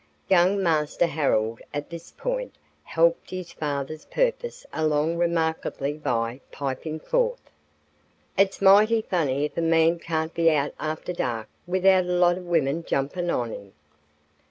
Young Master Harold at this point helped his father's purpose along remarkably by piping forth: "It's mighty funny if a man can't be out after dark without a lot o' women jumpin' on 'im."